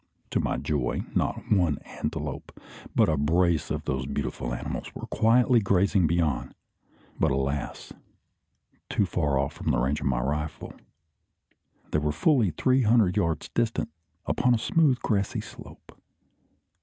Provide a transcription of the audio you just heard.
To my joy, not one antelope, but a brace of those beautiful animals were quietly grazing beyond; but, alas! too far off for the range of my rifle. They were fully three hundred yards distant, upon a smooth, grassy slope.